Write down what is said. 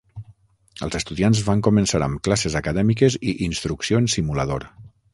Els estudiants van començar amb classes acadèmiques i instrucció en simulador.